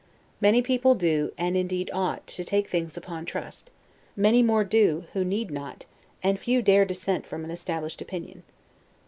Many people do, and indeed ought, to take things upon trust; many more do, who need not; and few dare dissent from an established opinion.